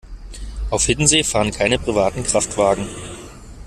Auf Hiddensee fahren keine privaten Kraftwagen.